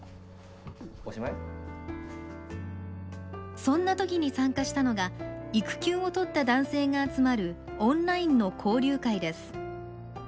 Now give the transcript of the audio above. そんなときに参加したのが育休を取った男性が集まるオンラインの交流会です。